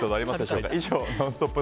以上ノンストップ！